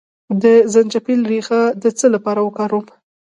د زنجبیل ریښه د څه لپاره وکاروم؟